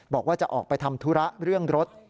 บอกว่าจะออกไปทำธุระเรื่องรถ